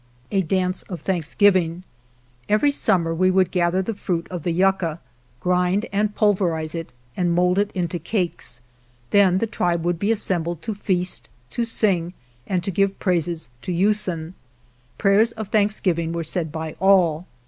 A Dance of Thanksgiving Every summer we would gather the fruit of the yucca, grind and pulverize it and mold it into cakes; then the tribe would be assembled to feast, to sing, and to give praises to Usen. Prayers of Thanksgiving were said by all.